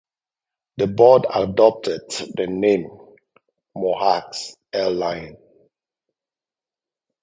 The board adopted the name Mohawk Airlines.